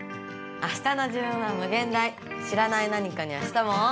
あしたの自分はむげん大知らない何かにあしたも。